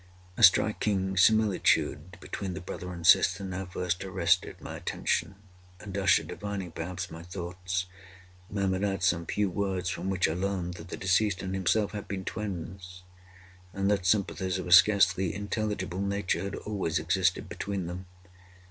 A striking similitude between the brother and sister now first arrested my attention; and Usher, divining, perhaps, my thoughts, murmured out some few words from which I learned that the deceased and himself had been twins, and that sympathies of a scarcely intelligible nature had always existed between them.